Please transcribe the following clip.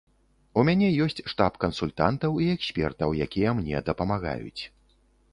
У мяне ёсць штаб кансультантаў і экспертаў, якія мне дапамагаюць.